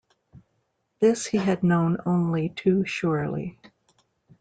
This he had known only too surely.